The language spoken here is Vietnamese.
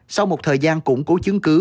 sau một thời gian củng cố chứng cứ